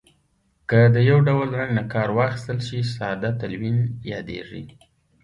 که د یو ډول رنګ نه کار واخیستل شي ساده تلوین یادیږي.